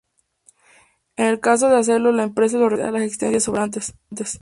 En el caso de hacerlo la empresa recompra las existencias sobrantes.